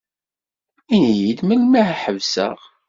Ini-yi-d melmi ad ḥebseɣ.